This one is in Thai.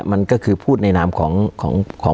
การแสดงความคิดเห็น